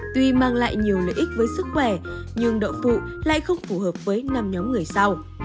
tuy mang lại nhiều lợi ích với sức khỏe nhưng đậu phụ lại không phù hợp với năm nhóm người sau